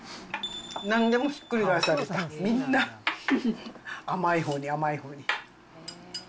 なんでもひっくり返された、みんな甘いほうに甘いほうに。